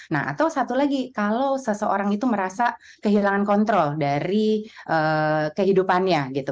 nah atau satu lagi kalau seseorang itu merasa kehilangan kontrol dari kehidupannya gitu